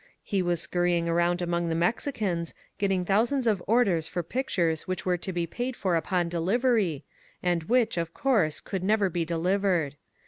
He was scurrying around among the Mexicans, getting thousands of orders for pictures which were to be paid for upon delivery, and which; of course, could never be delivered.